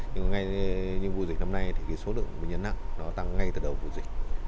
nhưng ngay như vụ dịch năm nay thì cái số lượng bệnh nhân nặng nó tăng ngay từ đầu vụ dịch